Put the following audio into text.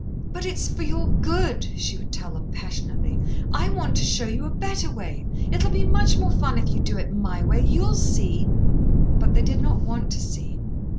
"But it is for your good," she would tell them passionately. "I want to show you a better way. It'll be much more fun if you do it my way you'll see." But they did not want to see.